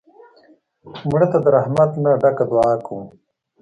مړه ته د رحمت نه ډکه دعا کوو